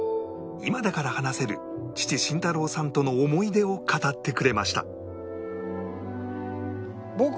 今だから話せる父・慎太郎さんとの思い出を語ってくれました